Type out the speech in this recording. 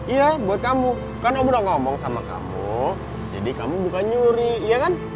iya buat kamu kan kamu udah ngomong sama kamu jadi kamu bukan nyuri iya kan